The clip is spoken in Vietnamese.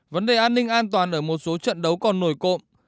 vấn đề an ninh an toàn ở một số trận đấu còn nổi cộng